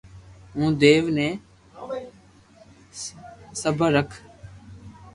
ھون ديو ھون ني سبر رک